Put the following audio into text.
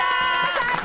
最高！